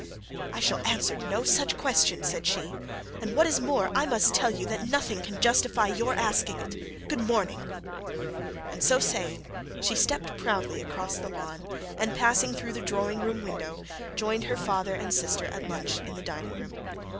'I shall answer no such question,' said she; 'and what is more, I must tell you that nothing can justify your asking it. Good morning!' And so saying she stepped proudly across the lawn, and passing through the drawing room window joined her father and sister at lunch in the dining room.